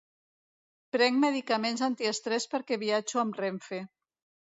Prenc medicaments antiestrès perquè viatjo amb Renfe.